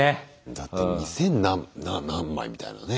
だって２０００何枚みたいなね。